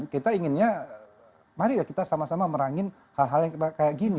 kita inginnya mari kita sama sama merangin hal hal yang kayak gini